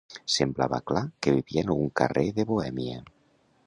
Semblava clar que vivia en algun carrer de Bohèmia.